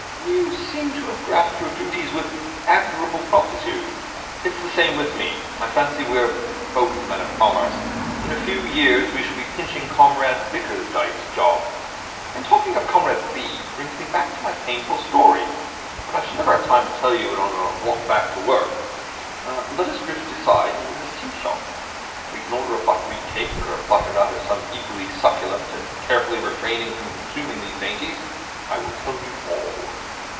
'You seem to have grasped your duties with admirable promptitude. It is the same with me. I fancy we are both born men of Commerce. In a few years we shall be pinching Comrade Bickersdyke's job. And talking of Comrade B. brings me back to my painful story. But I shall never have time to tell it to you during our walk back. Let us drift aside into this tea shop. We can order a buckwheat cake or a butter nut, or something equally succulent, and carefully refraining from consuming these dainties, I will tell you all.'